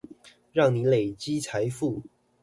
讓你累積財富